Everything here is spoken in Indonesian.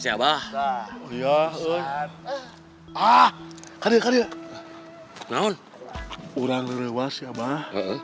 si abah ya ah karya karya naon orang lewat si abah